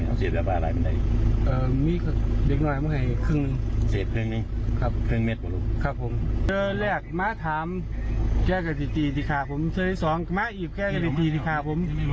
แก่กระทาท้ายผมให้ผมยิงครับผมนัดเดียวครับ